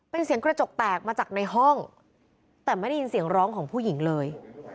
เป็นเสียงกระจกแตกมาจากในห้องแต่ไม่ได้ยินเสียงร้องของผู้หญิงเลย